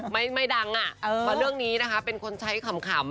ไม่ดังอ่ะมาเรื่องนี้นะคะเป็นคนใช้ขำ